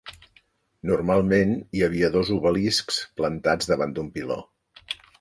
Normalment hi havia dos obeliscs plantats davant d'un piló.